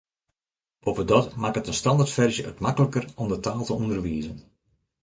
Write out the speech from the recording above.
Boppedat makket in standertferzje it makliker om de taal te ûnderwizen.